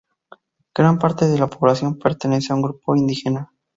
Gran parte de la población pertenece a un grupo indígena.